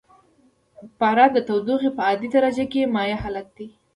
پاره د تودوخې په عادي درجه کې مایع حالت لري.